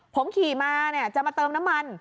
ผมขี่มาจะมาเติมน้ำมัน